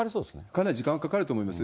かなり時間はかかると思います。